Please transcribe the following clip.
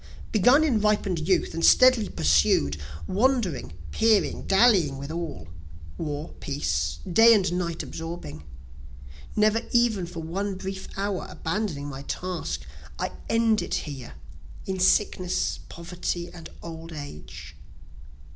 Begun in ripen'd youth and steadily pursued, Wandering, peering, dallying with all war, peace, day and night absorbing, Never even for one brief hour abandoning my task, I end it here in sickness, poverty, and old age.